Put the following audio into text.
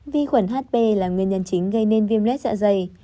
vi khuẩn hp là nguyên nhân chính gây nên viêm lết dạ dày